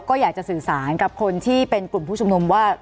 ก็อยากจะสื่อสารกับคนที่เป็นกลุ่มผู้ชุมนุมว่า